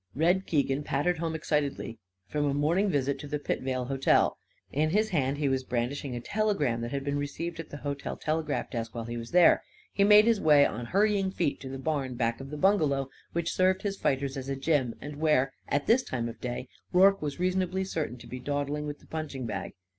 Red Keegan pattered home excitedly from a morning visit to the Pitvale Hotel. In his hand he was brandishing a telegram that had been received at the hotel telegraph desk while he was there. He made his way on hurrying feet to the barn back of the bungalow, which served his fighters as a gym, and where, at this time of day, Rorke was reasonably certain to be dawdling with the punching bag.